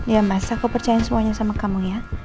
ya mas aku percaya semuanya sama kamu ya